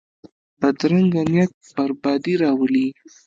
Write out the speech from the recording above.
بدرنګه نیت بربادي راولي